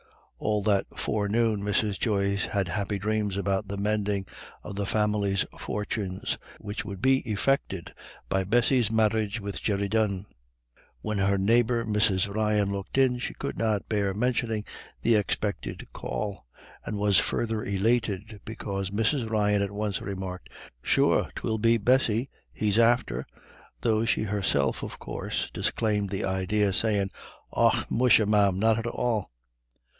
All that forenoon Mrs. Joyce had happy dreams about the mending of the family fortunes, which would be effected by Bessy's marriage with Jerry Dunne. When her neighbour, Mrs. Ryan, looked in, she could not forbear mentioning the expected call, and was further elated because Mrs. Ryan at once remarked: "Sure, 'twill be Bessy he's after," though she herself, of course, disclaimed the idea, saying: "Och musha, ma'am, not at all."